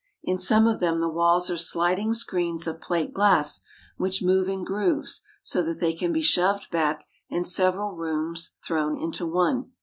In some of them the walls are sliding screens of plate glass which move in grooves so that they can be shoved back and several rooms thrown into one.